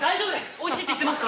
「おいしい」って言ってますよ。